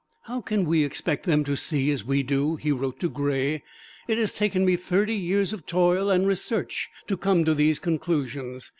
"How can we expect them to see as we do," he wrote to Gray; "it has taken me thirty years of toil and research to come to these conclusions.